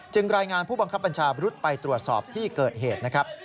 จึงรายงานผู้บังคับปัญชาบรุษไปตรวจสอบที่เกิดเหตุ